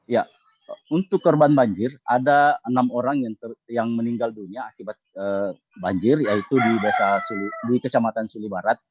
ya untuk korban banjir ada enam orang yang meninggal dunia akibat banjir yaitu di desa dui kecamatan suli barat